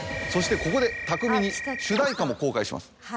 そしてここで巧みに主題歌も公開します。